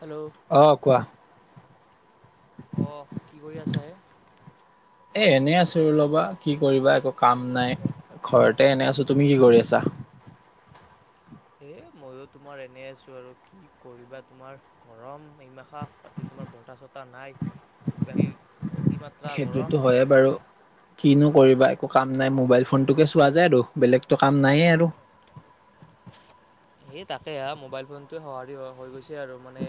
Hello অ কোৱা। অ কি কৰি আছা হে? এই এনেই আছোঁ আৰু ল'বা কি কৰিবা একো কাম নাই ঘৰতে এনে আছো তুমি কি কৰি আছা? [unintelligible] এ মইও তোমাৰ এনে আছো আৰু কি কৰিবা তোমাৰ গৰম এইমাখা তাতে তু। ৰ বটা চটা নাই বাকী কত সেইটোতো হয়ে বাৰু। কিনো কৰিবা একো কাম নাই মোবাইল ফোনটোকে চোৱা যায় আৰু বেলেগটো কাম নাইয়ে আৰু। [unintelligible] এ তাকে আ মোবাইল ফোনটোৱে সঁহাৰি হ হৈ গৈছে আৰু মানে।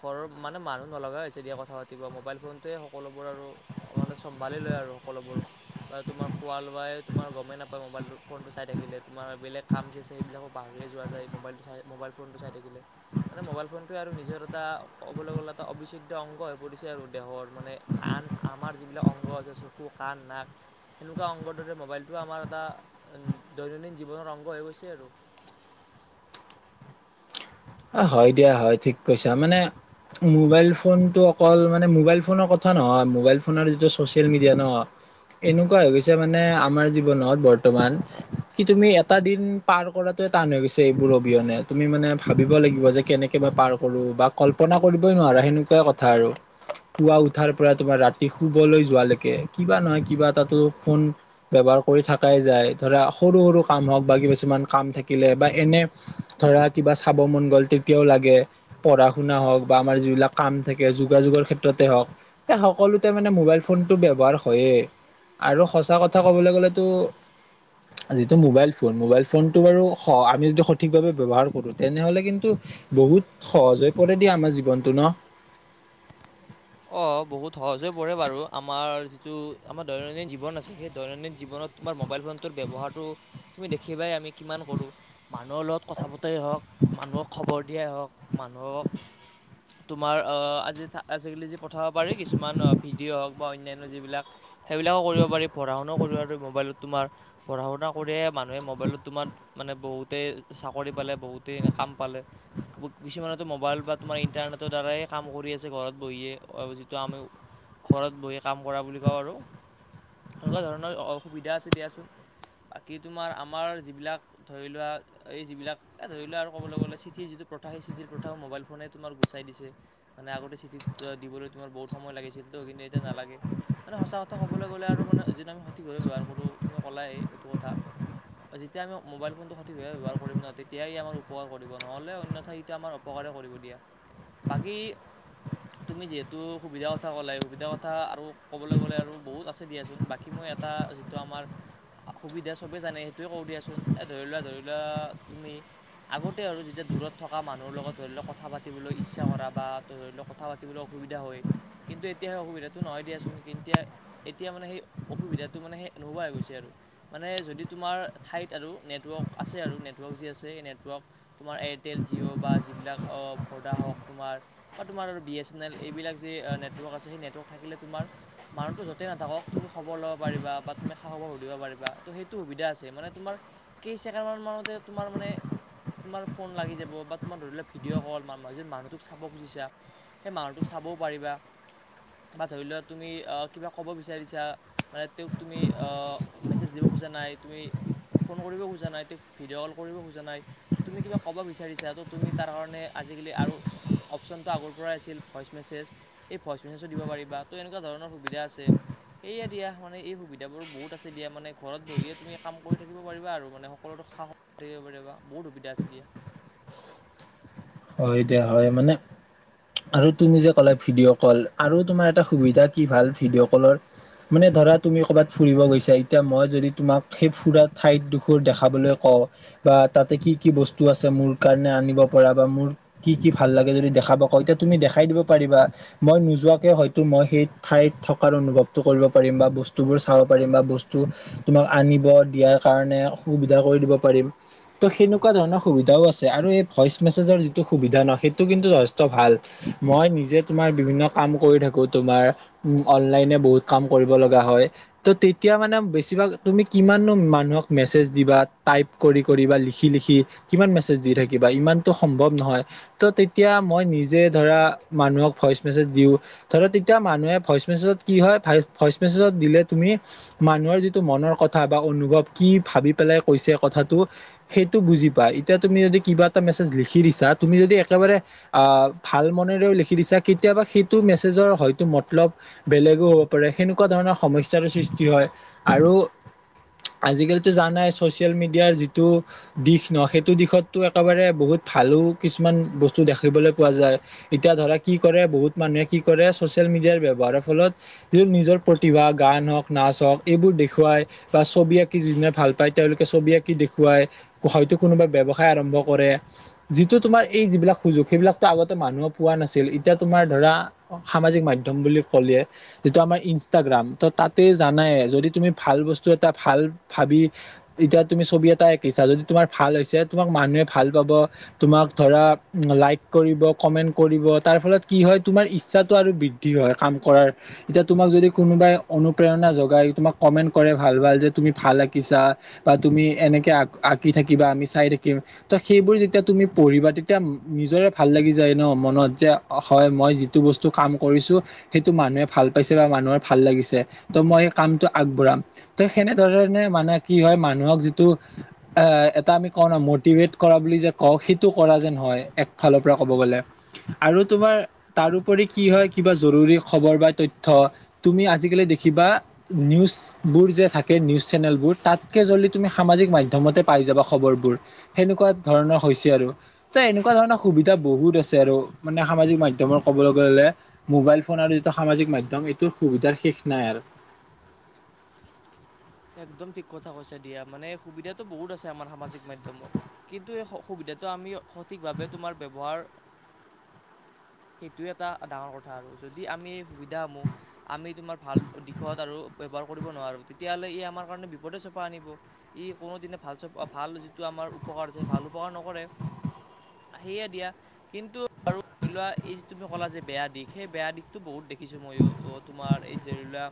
ঘৰৰ মানে মানুহ নলগা হৈছে দিয়া কথা পাতিব মোবাইল ফোনতোৱে সকলোবোৰ আৰু চম্ভালি লৈ। আৰু সকলোবোৰ তোমাৰ খোৱা লোৱাই তোমাৰ গমেই নাপায় মোবাইলতো ফোন টো চাই থাকিলে তোমাৰ বেলেগ কাম কি আছি সেইবিলাকক পাহৰি যোৱা যায় মোবাইলটো চাই মোবাইল ফোনটো চাই থাকিলে মানে মোবাইল ফোনটোৱে আৰু নিজৰ এটা অ ক'বলৈ গ'লে এটা অবিচ্ছেদ্য অংগ হৈ পৰিছে আৰু দেহৰ মানে আন আমাৰ যিবিলাক অংগ আছে চকু কা কাণ নাক সেনেকুৱা অংগৰ দৰে মোবাইলটো আমাৰ এটা দৈনন্দিন জীৱনৰ অংগ হৈ গৈছে তি আৰু অ হয় দিয়া হয় ঠিক কৈছা মানে মোবাইল ফোনটো অকল মানে মোবাইল ফোনৰ কথা নহয়, মোবাইল ফোনৰ যিটো ছ'চিয়েল মিডিয়া ন। এনেকুৱা হৈ গৈছে মানে আমাৰ জীৱনত বৰ্তমান কি তুমি এটা দিন পাৰ কৰাতোৱে টান হৈ গৈছে এইবোৰ অবিহনে তুমি মানে ভা ভাবিব লাগিব যে কেনেকে মই পাৰ কৰো বা কল্পনা কৰিবই নোৱাৰা সেনেকুৱাই কথা আৰু। পুৱা উঠাৰ পৰা তোমাৰ ৰাতি শুবলে যোৱালেকে কিবা নহয় কিবা এটাটো ফোন ব্যৱহাৰ। আৰু কৰি থাকাই যাই ধৰা সৰু সৰু কাম হক বা কিছুমান কাম থাকিলে বা এনে ধৰা কিবা চা খাব মন গ'ল তেতিয়াও লাগে, পঢ়া শুনা হওক, বা আমাৰ যিবিলাক কাম থাকে যোগাযোগৰ ক্ষেত্ৰতে হওক। সে সকলোতে মানে মোবাইল ফোনটো ব্যৱহাৰ হয় য়েই।। আৰু সঁচা কথা ক'বলে গ'লে তো। যিটো মোবাইল ফোন মোবাইল ফোন টো বাৰু স আমি যদি সঠিকভাৱে ব্যৱহাৰ কৰো। তেনেহলে কিন্তু বহুত সহজ হৈ পৰে দিয়া আমাৰ জীৱনটো ন। অ বহুত সহজ হৈ পৰে বাৰু আমাৰ যিটো আমাৰ দৈনন্দিন জীৱন আছে সেই দৈনন্দিন জীৱনত তোমাৰ মোব মোবাইল ফোনটোৰ ব্যৱহাৰটো। তুমি দেখিবাই আমি কিমান কৰো মানুহৰ লগত কথা পাতাই হওঁক মানুহক খবৰ দিয়াই হওক। মানুহক তোমাৰ অহ আজি আজিকালি যি। পঠাব পাৰি কিছুমান ভিডিঅ' হওক বা অন্যান্য যিবিলাক। সেইবিলাকো কৰিব পাৰি পঢ়া শুনাও কৰিব পাৰি মোবাইলত তোমাৰ পঢ়া শুনা কৰিয়ে মানুহে মোবাইলত তোমাৰ। মানে বহুতেই চাকৰি পালে বহুতেই কাম পালে কিছুমানেতো মোবাইল বা তোমাৰ ইণ্টাৰ টো দাৰাই কাম কৰি আছে ঘৰত বহিয়ে। অ যিটো আমি ঘৰত বহি কাম কৰা বুলি কওঁ আৰু। এনেকুৱা ধৰণৰ অসুবিধা আছে দিয়াচোন। বাকী তোমাৰ আমাৰ যিবিলাক ধৰি লোৱা এই যিবিলাক এ ধৰি লোৱা আৰু ক'বলে গ'লে চিঠিৰ যিটো। প্ৰথা সেই চিঠিৰ প্ৰথাও মোবাইল ফোনেই তোমাৰ গুচাই দিছে মানে আগতে চিঠিত। দিবলৈ তোমাৰ বহুত সময় লাগিছিল তো সন্তু এতিয়া নালাগে মানে সঁচা কথা ক'ব গ'লে আৰু মানে যটো আম সঠিক। ব্যৱহাৰ কৰোঁ তুমি ক'লাই এইটো কথা। যেতিয়া আমি মোবাইল ফোনটো সঠিকভাৱে ব্যৱহাৰ কৰিম ন তেতিয়াই আমাৰ উপকাৰ কৰিব নহ'লে অন্যথা সটো আমাৰ উপকাৰে। দিয় বাকী। তুমি যিহেতু সুবিধা কথা ক'লে সুবিধা কথা আৰু ক'বলৈ গ'লে আৰু বহুত আছে দিয়াচোন বাকী মই এটা। আ যিটো আমাৰ, সুবিধা চবে জানে সেইটোয়ে কওঁ দিয়াচোন এ ধৰি লোৱা ধৰি লোৱা তুমি। আগতে আৰু যেতিয়া দূৰত থকা মানুহৰ লগত ধৰি লওক কথা পাতিবলৈ ইচ্ছা কৰা বা ধৰি লওক কথা পাতিবলৈ অসুবিধা হয় কিন্তু এতিয়া সেই অসুবিধাটো নহয় দিয়াচোন কিন তিয়া এতিয়া মানে সেই অসুবি এতিয়াটো মানে সেই নোহোৱা হৈ গৈছে, আৰু মানে যদি তোমাৰ ঠাইত আৰু নেটৱৰ্ক আছে, আৰু নেটৱৰ্ক যি আ যে নেটৱৰ্ক, তোমাৰ এতেল জিও বা যিবিলাক অ ভদা হওক তোমাৰ অ তোমাৰ বিয়েচেনেল এইবিলাক যে নেটৱৰ্ক সে নেটৱৰ্ক থাকিলে তোমাৰ মানুহটো যতেই নাথাকক তুমি খবৰ লব পাৰ পাৰিবা বা তুমি খা খবৰ সুধিব পাৰিবা ত সেইটো সুবিধা আছে মানে তোমাৰ কে চেকেন মানৰ মানতে তোমাৰ মানে তোমাৰ ফোন লাগি যাব বা তোমাৰ ধৰি লোৱা ভিডিঅ' কল মা মানুজন মানুহটোক চাব খুজিছা। সেই মানুহটো চাবও পাৰিবা। বা ধৰি লোৱা তুমি অ কিবা ক'ব বিচাৰিছা, মানে তেওঁক তুমি অ মেছেজ দিব খু। যে নাই এইটোৱে ফোন কৰিব খোজা নাই তেক ভিডিঅ' কল কৰিব খোজা নাই, তুমি কিবা ক'ব বিচাৰিছা, তো তুমি তাৰ কাৰণে আজ আজিকালি আৰু অপশ্যনটো আগৰ পৰাই আছে ভইচ মেছেজ এই ভইচ মেছেজো দিব পাৰিবা ত এনেকুৱা ধৰণৰ সুবিধা আছে সেয়ে দিয়া মানে এই সুবিধাবোৰ বহুত আছে দিয়া মানে ঘৰত বহিয়ে তুমি কাম কৰি থাকিব পাৰিবা আৰু মানে সকলোটো [unintelligible] থাকিব পাৰিব বহুত সুবিধা আছে দিয়া হয় দিয়া, হয় মানে আৰু তুমি যে ক'লা ভিডিঅ' কল আৰু তোমাৰ এটা সুবিধা কি ভাল ভিডিঅ' কলৰ মানে ধৰা তুমি ক'বাত ফুৰিব গৈছা এতিয়া মই যদি তোমাক সেই ফুৰা ঠাইত দুখৰ দেখাবলৈ কওঁ', বা তাতে কি কি বস্তু আছে মোৰ কাৰণে আনিব পৰা বা মোৰ কি কি ভাল লাগে যদি দেখাব কয় তেতিয়া তুমি দেখাই দিব পাৰিবা মই নোযোৱাকে হয়তো মই সেই এই ঠাইত থকাৰ অনুভৱটো কৰিব পাৰিম বা বস্তুবোৰ চাব পাৰিম বা বস্তু তোমাৰ আনিব দি ইয়াৰ কাৰণে সুবিধা কৰি দিব পাৰিম। ত' সেনেকুৱা ধৰণৰ সুবিধাও আছে আৰু এই‌ ভইচ মেছেজৰ যিটো সুবিধা ন সেইটো‌ কিন্তু যথেষ্ট ভাল‌ মই নিজে তোমাৰ বিভিন্ন কাম কৰি থাকো ত' তোমাৰ উম অনলাইনে বহুত কাম কৰিব লগা হয়, ত' তেতিয়া মানে বেছিভাগ তুমি কিমান নো মানুহক মেছেজ দিবা টাইপ কৰি কৰি বা লিখি লিখি কিমান মেছেজ দি থাকিবা ইমান সম্ভৱ নহয় ত' তেতিয়া মই নিজে ধৰা মানুহক ভইচ মেচজ দিওঁ ধৰা তে এতিয়া মানুহে ভইচ মেছেজত কি হয়, ভাই ভইচ মেছেজত দিলে তুমি মানুহৰ যিটো মনৰ কথা বা অনুভৱ কি ভাবি পেলাই কৈছে কথাটো সেইটো বুজি পায়। এতিয়া তুমি যদি কিবা এটা মেছে লিখি দিছা তুমি যদি একেবাৰে অ' ভাল মনেৰেও লিখি দিছা কেতিয়াবা সেইটো মেছেজৰ হয়তো মতলব বেলেগো হ'ব পাৰে সেনেকুৱা ধৰণৰ সমস্যাৰো সৃষ্টি হয় আৰু আজিকালিতো জানাই ছ'চিয়েল মিডিয়াৰ যিটো দিশ ন সেইটো দিশতটো একেবাৰে', বহুত ভালো কিছুমান বস্তু দেখিবলৈ পোৱা যায় এতিয়া ধৰা কি কৰে বহুত মানুহে কি কৰে ছ'চিয়েল মিডিয়াৰ ব্যৱহাৰৰ ফলত যিটো নিজৰ প্ৰতিভা গান হক নাচ হক‌ এইবোৰ দেখুৱাই বা বা ছবি আঁকি যোনে ভাল পায় তেওঁলোকে ছবি আঁকি দেখুৱাই হয়তো কোনোবা ব্যৱসায় আৰম্ভ কৰে যিটো তোমাৰ এই যিবিলাক সুযোগ সেইবিলাকতো আগতে মানুহে পোৱা নাছিল এতিয়া তোমাৰ ধৰা সামা সামাজিক মাধ্যম বুলি ক'লে যিটো আমাৰ ইনষ্টাগ্ৰাম ত তাতে জানে যদি তুমি ভাল বস্তু এটা', ভাল ভাবি যেতিয়া তুমি ছবি এটা আঁকিছা যদি তোমাৰ ভাল হৈছে তোমাক মানুহে ভাল পাব, তোমাক ধৰা লাইক কৰিব, কমেণ্ট কৰিব, তাৰফলত কি হয় তোমাৰ ইচ্ছাটো বৃদ্ধি হয় কাম কৰাৰ, এতিয়া তোমাক যদি কোনোবাই অনুপ্ৰেৰণা জগাই তোমাক কমেন্ট কৰে ভাল [unintelligible] যে তুমি ভাল আঁকিছা বা তুমি এনেকে আঁক আঁকি থাকিবা আমি চাই থাকিম ত সেইবোৰ যেতিয়া তুমি পঢ়িবা তেতিয়া নিজৰে ভাল লাগি যায় ন মনত যে হয় মই যিটো বস্তু কাম কৰিছোঁ সেইটো মানুহে ভাল পাইছে বা মানুহৰ ভাল লাগিছে ত' মই কামটো আগবঢ়াম ত সেনেধৰণে মানে কি হয় মানুহক যিটো আহ', এটা আমি কওঁ ন মটিভেট', কৰা বুলি যে কও সেইটো কৰা যেন হয় একফালৰ পৰা ক'ব গ'লে আৰু তোমাৰ তাৰোপৰি এই কি হয় কিবা জৰুৰী খবৰ বা তথ্য, তুমি আজিকালি দেখিবা নিউজবো যে থাকে নিউজ চেনেলবোৰ তাতকে জল্দি তুমি সামাজিক মাধ্যমত পাই যাবা খবৰবোৰ', সেনেকুৱা ধৰণৰ হৈছে আৰু ত' এনেকুৱা ধৰণৰ সুবিধা বহুত আছে আৰু মানে সামাজিক মাধ্যমৰ ক'ব ক'ব গ'লে, মোবাইল ফোন আৰু এতিয়া সামাজিক মাধ্যম এইটোৰ সুবিধাৰ শেষ নাই আৰু', একদম ঠিক কথা কৈছা দিয়া মানে সুবিধাটো বহুত আছে এই আমাৰ সামাজিক মাধ্যমত। কিন্তু এই সুবিধাটো আমি সঠিকভাৱে তোমাৰ ব্যৱহাৰ সেইটো এটা ডাঙৰ কথা আৰু যদি আমি সুবিধাসমূহ আমি তোমাৰ ভাল দিশত আৰু ব্যৱহাৰ কৰিব নোৱাৰোঁ তেতিয়া হ'লে ই আমাৰ কাৰণে বিপদে চপাই আনিব ই কোনোদিনে ভাল চপা ভাল যিটো আম আমাৰ উপকাৰ হৈছে, ‌ ভাল উপকাৰ নকৰে সেয়ে দিয়া কিন্তু আৰু ধৰি লোৱা', এই যিটো তুমি ক'লা যে বেয়া দিশ, সেই বেয়া দিশটো বহুত দেখিছোঁ মইও। তোমাৰ এই ধৰি লোৱা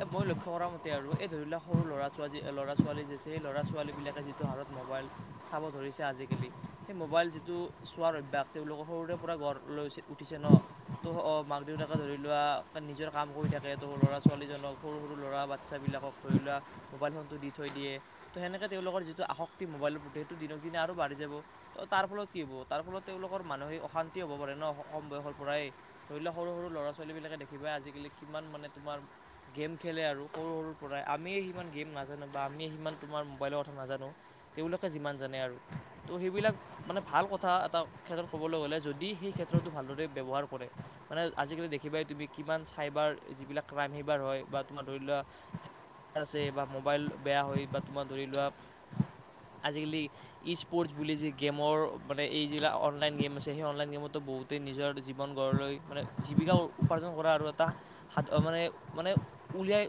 এ মই লক্ষ্য কৰা মতে আৰু এই ধৰি লোৱা সৰু ল'ৰা- ছোৱালী, ল'ৰা-ছোৱালী যে আছে সেই ল'ৰা-ছোৱালী বিলাকে যিটো হাৰত মদ মোবাইল চাব ধৰিছে আজিকালি সেই মোবাইল যিটো চোৱাৰ অভ্যাস তেওঁলোকৰ সৰুৰে পৰা গঢ় লৈ উঠিছে ন ত' অ মাক দেউতাকে ধৰি লোৱা নিজৰ কাম কৰি থাকে ত' ল'ৰা ছোৱালীজনক সৰু সৰু ল'ৰা বাচ্ছাবিলাকক ধৰি লোৱা মোবাইল ফোনটো দি থৈ দিয়ে ত' সেনেকে তেওঁলোকৰ যিটো আসক্তি মোবাইলৰ সেইটো দিনক দিনে আৰু বাঢ়ি যাব ত' তাৰফলত কি হ'ব তাৰফলত তেওঁলোকৰ মানসিক অশান্তি হ'ব পাৰে ন? কম বয়সৰ পৰাই, ধৰি লোৱা সৰু সৰু ল'ৰা ছোৱালীবিলাকে দেখিবা আজিকালি কিমান মানে তোমাৰ গেম খে খেলে আৰু সৰু সৰুৰ পৰাই আমিয়ে সিমান গেম নাজানোঁ বা আমিয়ে সিমান তোমাৰ মোবাইলৰ কথা নাজানোঁ তেওঁলোকে যিমান জানে আৰু ত সেইবিলাক মানে ভাল কথা এটা ক্ষেত্ৰত ক'বলে গ'লে যদি সি হে ক্ষেত্ৰটো ভালদৰে ব্যৱহাৰ কৰে মানে আজিকালি দেখিবাই তুমি কিমান চাইবাৰ যিবিলাক ক্ৰাইম সেইবাৰ হয় বা তোমাৰ ধৰি লোৱা হে আছে বা মোবাইল বেয়া হৈ বা তোমাৰ ধৰি লোৱা আজিকালি ই স্পৰ্টছ বুলি যি গেমৰ মানে এই যিলাক অনলাইন গেম আছে সেই অনলাইন গেমতো বহুত বহুতে নিজৰ জীৱন গঢ় লৈ মানে জীৱিকা উপাৰ্জন কৰা আৰু এটা সাধ মানে-মানে উলিয়াই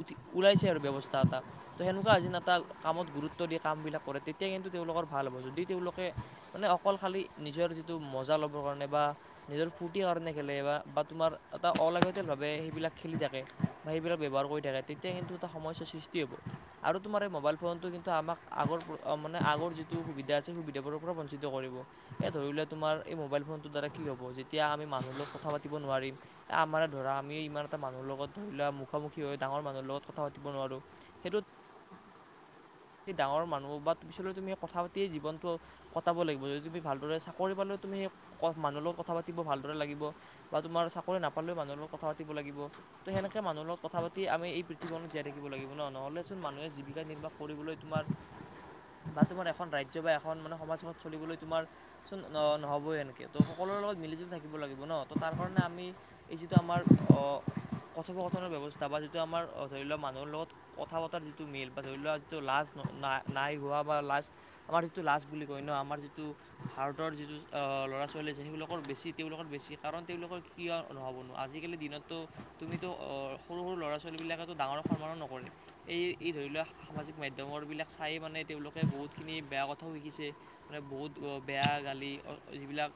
উঠি ওলাইছে আৰু ব্যৱস্থা এটা ত সেনেকুৱা হৈছে ন এটা কামত গুৰুত্ব দিয়ে কামবিলাক কৰে তেতিয়া কিন্তু [unintelligible] তেওঁলোক ভাল হ'ব যদি তেওঁলোকে মানে অকল খালি নিজৰ যিটো মজা ল'বৰ কাৰণে [unintelligible] বা নিজৰ ফূৰ্তি কাৰণে খেলে বা-বা তোমাৰ এটা অলাগতিয়ালভাৱে সেইবিলাক খেলি থাকে [unintelligible] সেইবিলাক ব্যৱহাৰ কৰি থাকে তেতিয়া কিন্তু এটা সমস্যাৰ সৃষ্টি হ'ব আৰু তোমাৰ এই মোবাইল ফোনটো আমাক আগৰ [unintelligible] [unintelligible] মানে আগৰ যিটো সুবিধা আছে সুবিধাবোৰৰ পৰা বঞ্চিত কৰিব এই ধৰি লোৱা তোমাৰ এই মোবাইল ফোনটো [unintelligible] [unintelligible] দ্বাৰা কি হ'ব যেতিয়া আমি মানুহ লগত কথা পাতি নোৱাৰিম এ আমাৰে ধৰা আমি ইমান এটা মানুহৰ লগত ধৰি লোৱা [inaudible] [unintelligible] মুখামুখি হৈ ডাঙৰ মানুহৰ লগত কথা পাতিব নোৱাৰোঁ সেইটোত [unintelligible] ডাঙৰ মানুহ বা পিছলৈ তুমি কথা পাতিয়ে জীৱনটো কটাব লাগিব যদি তুমি ভালদৰে চাকৰি পালে [unintelligible] তুমি সেই মানুহ লগত কথা পাতিব ভালদৰে লাগিব বা তোমাৰ চাকৰি নাপালেও মানুহৰ লগত কথা পাতিব লাগিব [inaudible] ত' সেনেক মানুহৰ লগত কথা পাতি আমি এই পৃথিৱীখনত জীয়াই থাকিব লাগিব নহ'লেচোন মানুহে জীৱিকা-নিৰ্বাহ [unintelligible] কৰিবলৈ তোমাৰ [inaudible] বা তোমাৰ এখন ৰাজ্য বা এখন মানে সমাজ এখনত চলিবলৈ তোমাৰ চোন নহবই এনেকে ত সকলো [unintelligible] সকলোৰে লগত মিলিজুলি থাকিব লাগিব ন ত তাৰ কাৰণে আমি এই যিটো আমাৰ অ [unintelligible] কথোপকথনৰ ব্যৱস্থা বা যিটো আমাৰ ধৰি লোৱা মানুহৰ লগত কথা পতাৰ যিটো মেল বা ধৰি লোৱা [unintelligible] [unintelligible] যিটো লাজ নাই-নাই হোৱা বা লাজ আমাৰ যিটো লাজ বুলি কয় ন আমাৰ যিটো ভাৰতৰ যিটো [inaudible] [unintelligible] য ল'ৰা-ছোৱালী আছে সেইবিলাকৰ বেছি তেওঁলোকৰ বেছি কাৰণ তেওঁলোকৰ কিয় নহ'ব নোৱাৰো আজিকালি দিনতো [unintelligible] তুমিতো অ সৰু-সৰু ল'ৰা-ছোৱালীবিলাকেটো ডাঙৰক সন্মানো নকৰে এই ই ধৰি লোৱা [unintelligible] সামাজিক মাধ্যমৰবিলাক চাই মানে তেওঁলোকে বহুতখিনি বেয়া কথা [unintelligible] [unintelligible] হৈ গৈছে মানে বহুত অ বেয়া গালি অ এইবিলাক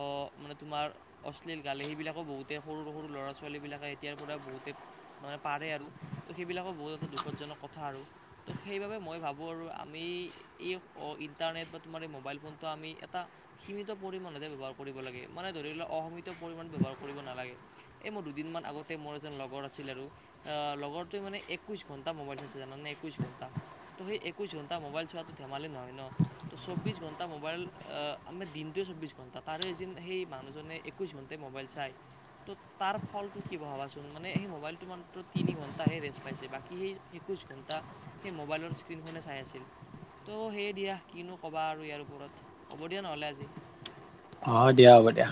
অ মানে তোমাৰ [unintelligible] অশ্লীল গালি সেইবিলাকো বহুতে সৰু-সৰু ল'ৰা-ছোৱালীবিলাকে এতিয়াৰ পৰা বহুতে [unintelligible] মানে পাৰে আৰু তো সেইবিলাকো বহুত এটা দুখজনক কথা আৰু [unintelligible] ত' সেইবাবে মই ভাবোঁ আৰু আমি এই ইণ্টাৰনেট বা তোমাৰ এই মোবাইল ফোনটো আমি এটা [unintelligible] সীমিত পৰিমাণতহে ব্যৱহাৰ কৰিব লাগে মানে ধৰি লোৱা অসীমিত পৰিমাণে ব্যৱহাৰ কৰিব নালাগে [unintelligible] [unintelligible] মোৰ দুদিন মান আগতে মোৰ এজন লগৰ আছিল আৰু আহ লগৰটোৱে মানে একৈশ ঘণ্টা মোবাইল চাইছে জানানে [unintelligible] [unintelligible] কৈছোঁ তাক [inaudible] ত' সেই একৈশ ঘণ্টা মোবাইল চোৱাটো ধেমালি নহয় ন, ত' চৌব্বিশ ঘণ্টা মোবাইল আহ আমি দিনটোত চৌবিশ ঘন্টা তাৰে এ যদি সেই মানুহজনে একৈশ ঘন্টাই মোবাইল চাই ত' তাৰ ফলটো কি হ'ব ভাবাচোন মানে সেই মোবাইলটো মাত্ৰ তিনি ঘন্টাহে ৰেষ্ট পাইছে বাকী সেই একৈশ ঘন তা, সেই মোবাইলৰ স্ক্ৰীণখনে চাই আছিল। ত' সেই দিয়া কিনো ক'বা আৰু ইয়াৰ ওপৰত হ'ব দিয়া নহ'লে আজি। অ দিয়া হ'ব দিয়া।